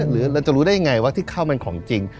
เราจะรู้ได้ยังไงว่าที่เขาเป็นของจริง